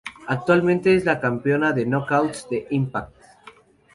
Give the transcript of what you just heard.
Actualmente es la Campeona de Knockouts de Impact.